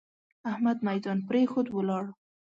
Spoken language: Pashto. احمد ميدان پرېښود؛ ولاړ.